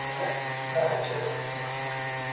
না, আমি সেভাবে বলতে চাই নি।